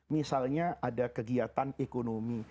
misalnya ada kegiatan ekonomi